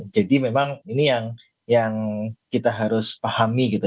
jadi memang ini yang kita harus pahami